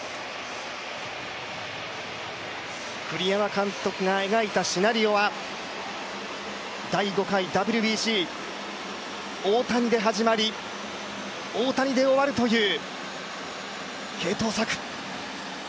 栗山監督が描いたシナリオは第５回ＷＢＣ、大谷で始まり、大谷で終わるという継投策。